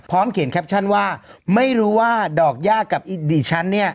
เขียนแคปชั่นว่าไม่รู้ว่าดอกย่ากับดิฉันเนี่ย